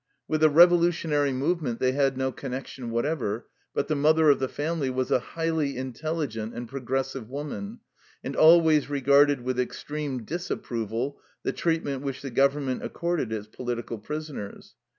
With the revolutionary movement they had no connection whatever, but the mother of the family was a highly intelligent and progressive woman, and always regarded with extreme disapproval the treatment which the government accorded its political prisoners.